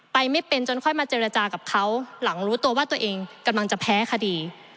ไม่เป็นจนค่อยมาเจรจากับเขาหลังรู้ตัวว่าตัวเองกำลังจะแพ้คดี